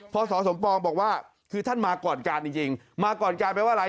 สสมปองบอกว่าคือท่านมาก่อนการจริงมาก่อนการแปลว่าอะไร